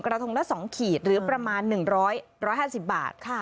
กระทงละสองขีดหรือประมาณหนึ่งร้อยร้อยห้าสิบบาท